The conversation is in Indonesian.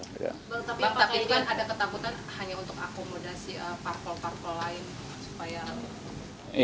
tapi kan ada ketakutan hanya untuk akomodasi parkol parkol lain